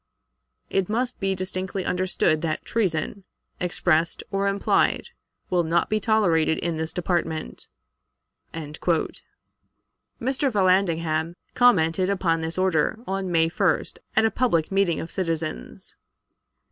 It must be distinctly understood that treason, expressed or implied, will not be tolerated in this department." Mr. Vallandigham commented upon this order, on May 1st, at a public meeting of citizens.